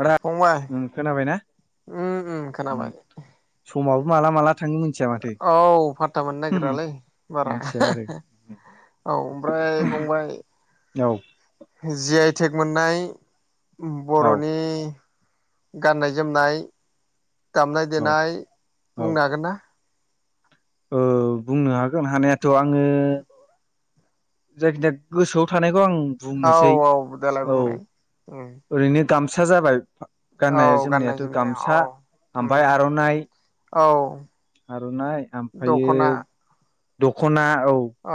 आदा फंबाय खोनाबाय ना उम उम ओम खोनाबाय समाव माला माला थाङो मिथिया माथो औ फातता मोननो नागिरालै बारा मिथिया आरो [unintelligible] औ ओमफ्राय फंबाय औ। जि आइटेक मोननाय औ बर'नि गाननाय जोमनाय दामनाय औ देनाय बुंनो हागोन ना? औ बुंनो हागोन हानायाथ' आङो जायखिजाया गोसोआव थानायखौ आं बुंनोसै औ औ देलाय औ बुंनाय उम ओरैनो गामसा जाबाय औ गाननाया गाननाय जोमनायाथ' जोमनाय गामसा औ उम आमफाय आर'नाइ औ आर'नाइ आमफायो दख'ना दख'ना औ।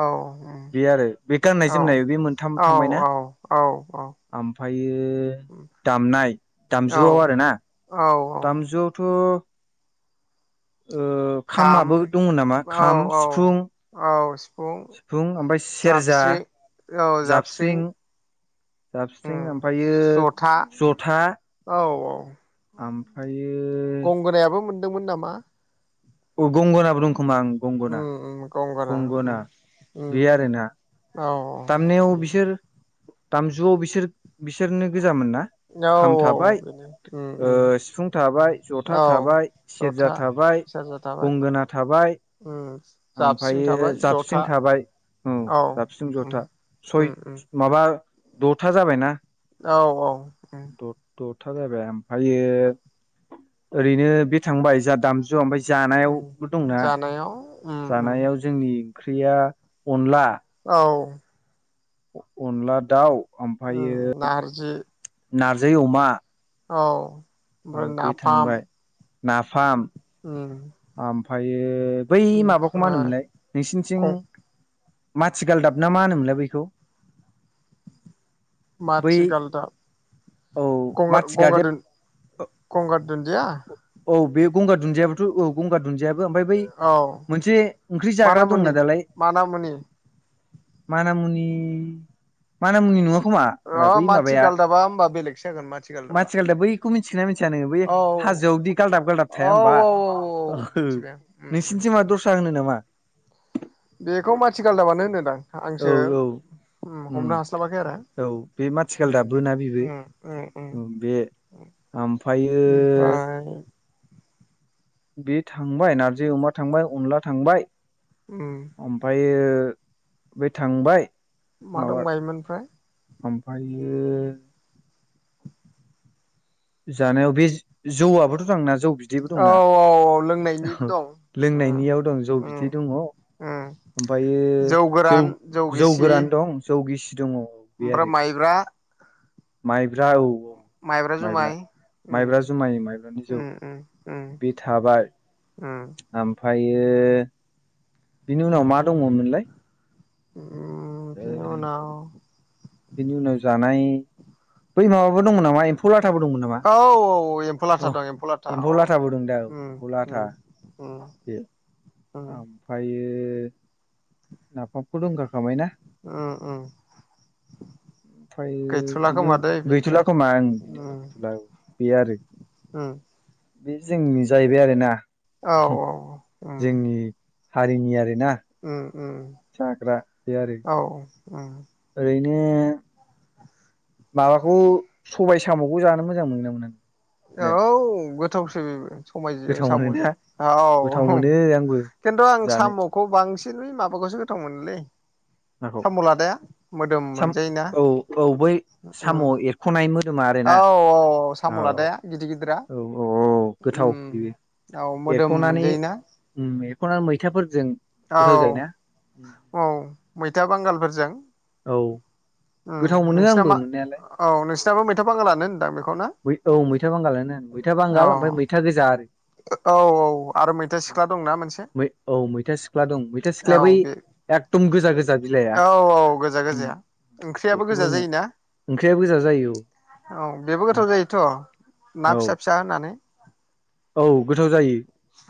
उम बे आरो बे गाननाय औ जोमनाय बे मोनथाम औ थांबायना औ औ आमफायो दामनाय औ दामजुआव आरोना औ औ दामजुआवथ' ओ खाम खामाबो दङ नामा औ खाम औ सिफुं औ सिफुं सिफुं आमफाय सेरजा जाबस्रिं औ जापस्रिं जाबसि्ं आमफायो जथा औ औ आमफायो दंमोन नामा? गंगोना बो दं खोमा ओम गंगना उम उम गंगोना उम गंगना उम बे आरोना औ दामनायाव बिसोर दामजुआव बिसोर बिसोरनो गोजामोन ना औ खाम थाबाय बेनो उम ओ उम सिफुं थाबाय जथा औ थाबाय सेरजा जथा थाबाय सेरजा थाबाय गंगोना थाबाय उम जाबस्रिं आमफायो थाबाय जथा जाबस्रिं थाबाय औ जाबसिन उम जथा उम सय उम माबा दथा जाबायना औ औ। उम द द था जाबाय आमफायो ओरैनो बे थांबाय जा दामजु ओम उम जानायावबो दंना जानायाव उम उम जानायाव जोंनि ओंख्रिया अनला। औ अनला दाउ ओमफ्रायो नारजि नारजि अमा औ औ ओमफ्राय बे थांबाय नाफाम नाफाम उम ओमफ्रायो बै माबाखौ मा ओमफ्राय होनोमोनलाय नोंसिनिथिं गं मथिगाल दाब ना मा होनोमोनलाय बेैखौ बै माथिगालदाब। औ गंगार-गंगार दुन- माथिगालदेब गंगार दुदिया औ बे गंगार दुन्दियाबोथ' औ गंगार दुन्दिया बो ओमफ्राय बै औ मोनसे ओंख्रि जाग्रा मानामुनि दंना दालाय मानामुनि मानामुनि मानामुनि नङा खोमा अ र बै माथि माबाया गालदाबा होमबा बेलेगसो जागोन माथि गालदाबा माथिगालदाब बै खौ मिथिगोना मिथिया नोङो बे औ होआव बिदि गालदाब गालदाब थाया होमबा। औ औ औ अहो मिथिबाय आं उम नोंसिनिथिं मा उम दस्रा होनो नामा? बेखौ मथिगालदाबानो होनोदां औ आंसो औ उम हमनो हास्लाबाखै आरो औ बे माथिगालदाबबो ना बेबो उम उम। ओमफ्रायो ओमफ्राय बे थांबाय नारजि अमा थांबाय अनला थांबाय उम ओमफ्रायो बे थांबाय मा दंबायोमोन फ्राय? ओमफ्रयो जानायाव बे जौआबोथ' थाङोना जौ बिदैबो दंना औ औ औ अह लोंनायनिबो दं उम लोंनायनियाव दं जौ उम बिदै दङ। उम ओमफ्रायो जौ जौ गोरान दं जौ गिसि दङ बे ओमफ्राय आरो माइब्रा माइब्रा औ माइब्रा जुमाय उम माइब्रा जुमाय माइब्रानि जौ उम उम उम। बे थाबाय उम ओमफ्रायो बिनि उनाव मा दङमोनलाय उम बिनि उनाव। बेनि उनाव जानाय बै माबाबो दंमोन नामा एम्फौ लाथाबो दंमोन नामा औ एम्फौ लाथा अ दं लाथा औ एम्फौ लाथाबो दं दां। उम बुलाथ उम उम उम ओमफ्रायो नाफामखौ दंगारखामोन उम उम। ओमफ्रायो गैथ'ला बिनि उ खोमा दै बेनिफ्राय गैथ'ला खोमा उम बिनि उनाव गैथ'ला औ बेयो आरो। उम बे जोंनि जाहैबाय आरोना औ औ उम जोंनि हारिनि आरो उम उम बे आरो औ ओरैनो माबाखौ सबाय साम'खौ जानो मोजां मोनोना मोना नों? औ गोथावसो बेबो सबायजों गोथाव साम'जों मोनोना गोथाव औ मोनो आंबो खिन्थु आं जानो साम'खौ बांसिन माबाखौसो गोथाव मोनोलै नाखौ साम' लादाया मोदोम साम मोनजायो ना औ औ बै साम' ओं। एरख'नाय मोदोमा आरोना औ औ साम' लादाया गिदिर गिदिरा अ गोथाव उम बेबो औ मोदोम एरख'नानै मोनजायोना उम एरख'ना मैथाफोरजों औ गोथाव जायोना औ मैथा बांगालफोरजों औ गोथाव उम मोनो नोंसिना आंबो मा मोननायालाय औ नोंसिनाबो मैथा बांगाल लानो होनदां बेखौ ना? बै औ मैथा बांगालानो मैथा औ बांगाल ओमफाय मैथा गोजा। औ औ आरो मैथा सिख्ला दंना मोनसे मै औ मैथा सिख्ला दं मैथा औ सिख्लाया बै बे एगदम गोज औ औ गोजा गोजाया ओंख्रियाबो बेखौबो गोजा होनो जायोना? ओंख्रिया गोजा जायो औ बेबो गोथाव जायोथ' ना औ फिसा फिसा होनानै औ गोथाव जायो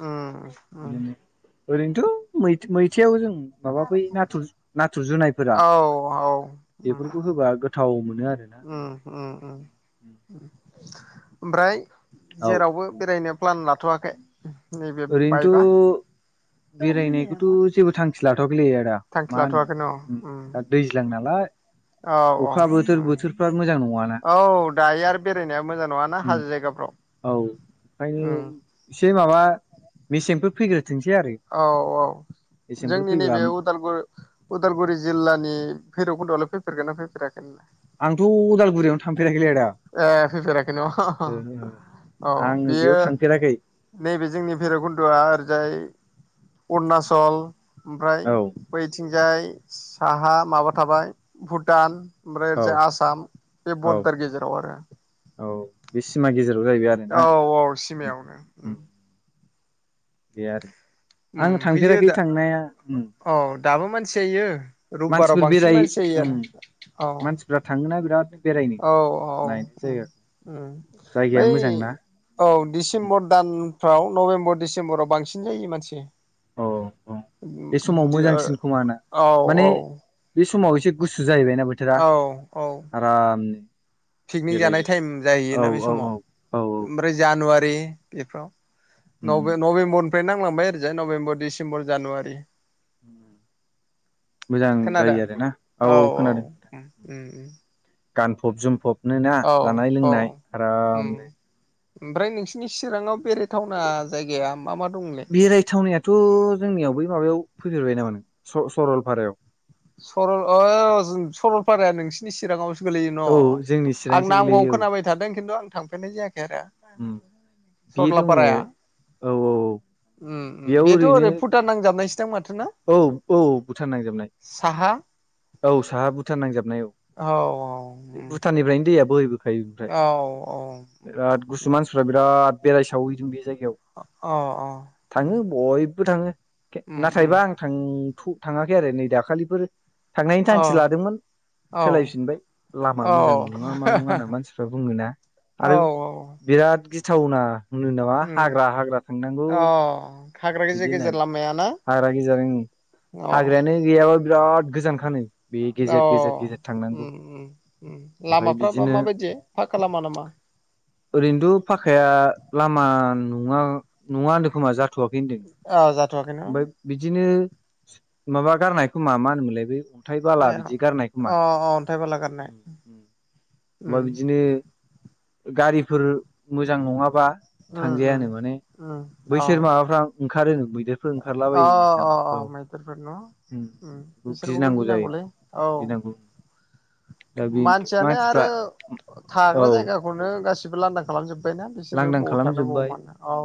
उम उम ओरैनोथ' मैथ मैथाययावबो जों माबा बै नाथुर नाथुर जुनायफोरा औ औ बेफोरखौ होबा गो उम उम उम उम ओमफ्राय औ जेरावबो बेरायनो प्लान लाथ'वाखै? नैबे बाइकआ ओरैनोथ' बेरायनायखौथ' जेबो थांखि ला गैलै आदा थांखि मा होनोम लाथ'वाखैनो उम दा औ दैज्लां नालाय औ औ अखा बोथोर उम बोथोरफ्रा मोजां नङाना औ दायो आरो बेरायनाया मोजां नङाना उम हाजो जायगाफ्राव औ ओंखायनो उम एसे माबा मेसेंफोर फैग्रो औ औ मेसेंफोर जोंनि फैबा नैबे उदालगुर उदालगुरि जिल्लानि भैरब कन्द'आवलाय फैफेरगोन ना फैफेराखै नोंलाय? आंथ' अदालगुरियावनो थांफेराखैलै आदा। नोंलाय अ आङो बियो बेयाव थांफेराखै नैबे जोंनि भैरबकन्द'आ ओरैजाय अरुणाचल ओमफ्राय औ बैथिं जाय साहा माबा थाबाय भुटान ओमफ्राय औ ओरजाय आसाम। औ बदार गेजेराव आरो औ बे सिमा गेजेराव जाहैबाय आरो ना औ औ उम सिमायावनो उम बे आरो उम आं फैयो थांफेराखै दा थांनाया उम औ दाबो मानसि जायो रबिबाराव मानसिफोर बांसिन बेराय मानसि जायो उम आरो औ मानसिफ्रा थाङोना बिराद बेरायनो औ औ नायनो उम जायगाखौ उम जायगाया बै मोजांना औ उम दिसेम्बर दानफ्राव नभेम्बर डिसेम्बराव बांसिन जायो मानसि। औ औ बे समाव ज मोजांसिन खोमा ना औ माने औ बे समाव एसे गुसु जाहैबायना बोथोरा औ औ आरामनो। पिकनिक जानाय बेरायनो टाइम औ जाहैयोना बे औ औ औ समाव ओमफ्राय जानुवा बै इफ्राव उम नबे नबेबर ओमफाय नांलांबाय आरो ओरैजाय नभेम्बर डिसेम्बर जानुवारि मोजां जायो खोनादों आरोना औ औ खोनादों उम उम गानफब जोमफबनो ना औ जानाय औ लोंनाय उम आरामनो। ओमफ्राय नोंसिनि चिराङाव बेरे बेरायथावनायाथ' जोंनियाव बै माबायाव फैफेरबाय नामा नों? स-सरलफारायाव सरल ओ जों सरलपाराया नोंसिनि चिराङाव गोलैयो न' औ जोंनि आं चिरांसो नामखौ गोलैयो औ खोनाबाय थादों खिन्थु आं थांफेरनाय जायाखै आरो उम बे दङ औ सरलापाराया औ औ उम उम बेयाव बेथ' ओरैनो ओरै भुटान नांजाबनाय औ औ भुटान नांजाबनाय। साहा औ साहा भुटान नांजाबनाय औ औ उम भुटाननिफ्रायनो दैया बोहैबोखायो ओफ्राय औ औ बिराद उम गुसु मानसिफ्रा बिराद बेराय सावहैदों बे जाय याव अ थाङो बयबो थाङो नाथायबा आं उम फु थाङाखै आरो नै दाखालिफोर थांनायनि अ औ थांखि लादोंमोन। औ सोलायफिनबाय लामा मोजां नङा मा नङा होनना मानसिफ्रा बुङोना औ आरो बिराद गिथावना होनो नामा हाग्रा हाग्रा थांनांगौ। अ हाग्रा गेजेर बिदि गेजेर होननानै लामाय ना? हाग्रा गेजेर हाग्रायानो गैयाबा बिराद गोजानखानो बे अ गेजेर गेजेर गेजेर थांनांगौ उम उम ओमफ्राय लामाफ्राबा बिदिनो माबायदि फा खा लामा नामा ओरैनोथ' फाखाया लामा नङा नङा होनदों खोमा जाथ'वाखै औ जाथ ओमफफ्राय बिदिनो माबा गारनायखौ मा मा होनोमोनलाय बे हथाय बाला ए बिदि गारनाय खोमा अ अन्थाइ बाला गारनाय अबा उम बिदिनो गारिफोर मोजां नङाबा उम उम थांजायानो माने उम अ बैसोर माबाफ्रा ओंखारो अ अ अ मैदेरफोर न' उम बेखौ बिसोरखौबो गिनांगौ जायो गिनांगौलै औ गिनांगौ दा बे मानसियानो मानसिफ्रा आरो औ थाग्रा जायगाखौनो गासिबो लान्दा खालामजोब्बायनाा बिसोरबो लांदां बबाव थानो बबाव खालामजोब्बाय मानो औ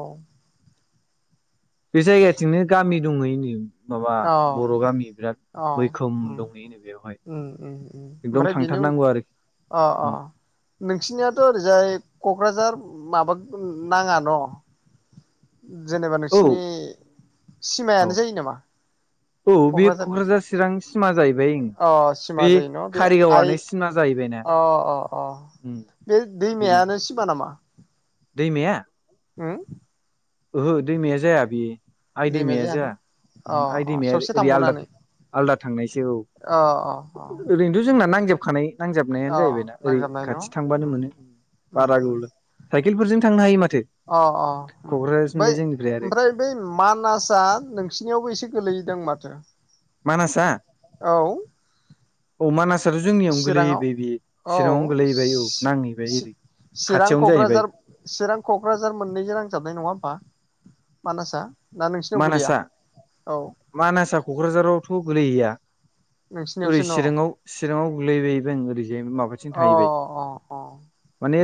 बे जायगाथिंनो गामि दङ हैयोनो माबा औ बर' गामि बिराद औ मैखोम उम दंहैयोनो बेवहाय [inaudible] उम उम उम एकदम ओमफ्राय बेनि थांथार उन नांगौ आरोखि अ अ नोंसिनियाथ' ओरैजाय क'क्राझार माबा नाङा न' जेनेबा औ नोंसिरनि सिमायानो जायो नामा औ बे क'क्राझारनि क'क्राझार चिरां सिमा जाहैबाय अ बे सिमा बे जायो न' आइ कारिगावनो सिमा जाहैबाय अ अ अ बे बेनो दैमायानो सिमा नामा दैमाया उम ओहो दैमाया जाया बि आइ दैमाया जाया अ आइ अ दैमाया ससे ओरै आलदा थांबावनानै आलदा थांनायसो औ अ अ अ ओरैनोथ' जोंना नांजाब अ नजाय न' थांबानो उ मोनो उ बारा गोबाव साइकेलफोरजों थांनो हायो माथो अ अ बै क'क्राझारसिमलाय जोंनिफ्राय आरो ओमफ्राय बै मानासआ नोंसिनियावबो एसे गोलैदों माथो मानास [inaudible] औ औ मानास आ दाथ' जोंनियावनो चिराङाव गोलैबाय बि औ चिराङावनो गोलैबाय औ नांहैबाय ओरै चिरां खाथियावनो जाहैबाय क'क्राझार चिरां क'क्राझार मोननैजों नांजाबनाय नङा होमबा मानासा मानसा मानसा क'क्राझारावथ' गोलैहैया ओरै नोंसिनियावसो न' चिराङाव चिराङाव गोलैहैबायबायं ओरैजाय माबाथिं अ थाहैबाय अ अ माने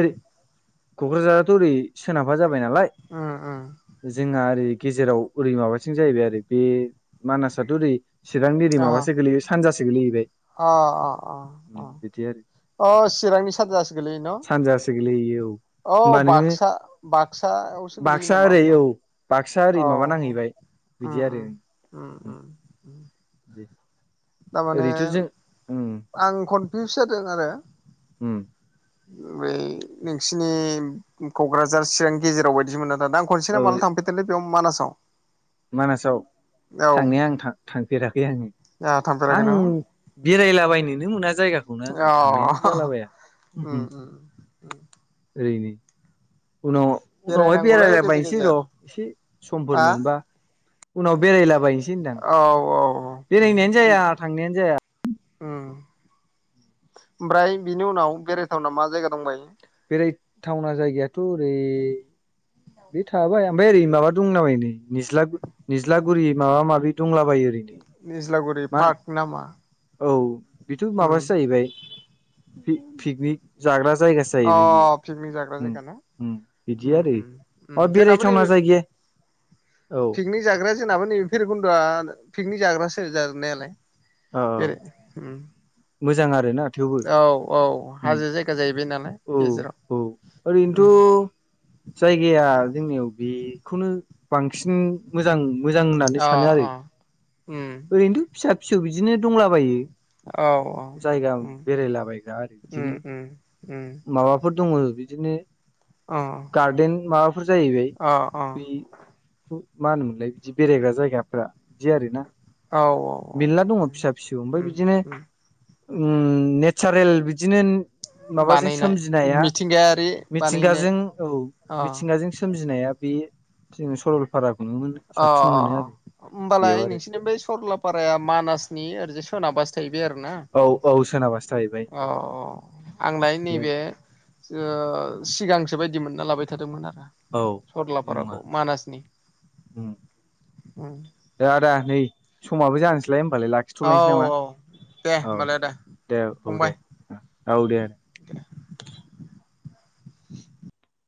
क'क्राझाराथ' ओरै सोनाबहा जाबाय नालाय उम उम जोंहा ओरै गेजेराव ओरै माबासिो जाहैबाय आरो बे मानासथ' ओरै चिरांनि ओरै अ माबासो गोलैबाय सानजासो गोलैहैबाय अ अ अ अ बिदि आरो ओ चिरांनि साजाजासगलै न [unintelligible] औ होमबा नोङो बाक्सा बाक्सायावसो गोलैयो बाक्सा नामा ओरै होमबा औ बाक्सा ओरै अ माबा नांहैबाय बिदि आरो उम उम उ उम [unintelligible] थारमाने ओरैथ' जों उम आं कनफिउस जादों आरो उम बै नोंसिनि क'क्राझार चिरां गेजेराव बायदिमोना। दा आं औ खनसिना मा ल' थांफेरदोंलै मानासाव मानासाव थांनाया जोंहा आं थां थांफेराखै आङो थांफेराखै आं नों बेरायलाबायनो जायगाखौनो आङो अ थांनायानो जालाबाया उम होम उम ओरैनो, उनाव उनावहाय बेरायनांगौलै गेजेर बेरायलाबायनोसै र' गेजेर एसे समफोर हा मोनबा, उनाव बेरायलाबायनोसै होनदां, औ औ उम बेरायनायानो जाया थांनायानो जाया, उम ओमफ्राय बिनि उनाव बेरायथावना मा जायगा दंबायो? बेरायथावना बि थाबाय ओमफाय ओरै माबा दंनामायो नै निज्ला निज्लागुरि माबा माबि, दंलाबायो ओरैनो निज्लागुरि मा? पार्क नामा औ बेथ' उम माबासो जाहैबाय पिकनिक जाग्रा जायगासो। जायो अ बे बे पिकनिक जाग्रा उम जायगाना? उम बिदि उम आरो उम उम अ जोंनाबो नै बेरायथावना जायगाया औ पिकनिक जाग्राया जोंनाबो नैब भैरुबकुन्दुवा, पिकनिक जाग्रासो जानायालाय ओरै उम मोजां आरो ना थेवबो औ औ उम हाजो जायगा जाहैबाय नालाय औ गेजेराव औ ओरैनोथ' उम अ जायगाया जोंनियाव बेखौनो बांसिन मोजां, मोजां होननानै अ सानो आरो अ उम ओरैनोथ' फिसा फिसौ बिदिनो दंलाबायो। औ औ जायगाब उम बेरायलाबायग्रा ओरै उम इदिनो, उम उम माबाफोर दङ बिदिनो, अ गार्देन माबाफोर जाहैबाय अ अ बैखौ मा होनोमोनलाय बिदि बेरायग्रा जायगाफ्रा बिदि आरो ना? औ अ मेल्ला दङ फिसा फिसौ ओमफाय बिदिनो उम नेचारेल बिदिनो माबाजों बानायनाय सोमजिनाया मिथिंगायारि बानायनाय मिथिंगाजों औ अ अ मिथिंगाजों सोमजिनाया बे थिं सरलपारा अ बेयाव होमबालाय आरो नोंसोरनि बै सरलापार प्राया मानासनि ओरजाय सोनाबहासो थायो। औ औ सोनाब अ आंलाय बे आरो नैबे ओ सिगां [unintelligible] बायदि मोनना लाबाय थादोंमोन आरो औ बे नङा सरलापाराखौ मानासनि, उम ओ आदा नै समाबो जानोसैलाय, होमबालाय औ लाखिथ'लायनोसै नामा? औ दे औ होमबालाय आदा दे औ फंबाय दे औ दे [inaudible]